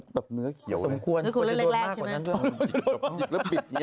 สมควร